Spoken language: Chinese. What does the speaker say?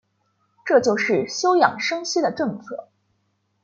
这就是休养生息的政策。